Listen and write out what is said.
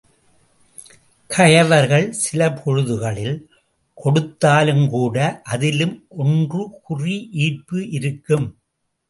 கயவர்கள் சிலபொழுதுகளில் கொடுத்தாலும் கூட அதிலும் ஒன்று குறி ஈர்ப்பு இருக்கும்.